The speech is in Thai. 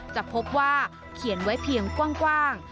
จะพบว่าเขียนไว้เพียงกว้าง